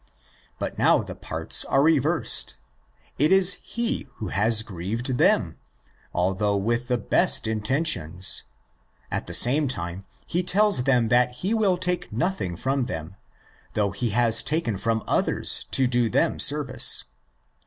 But now the parts are reversed. It is he who has grieved them, although with the best intentions. At the same time, he tells them that he will take nothing from them, though he has taken from others to do them service (xi.